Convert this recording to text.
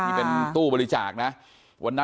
ที่เป็นตู้บริจาคนะ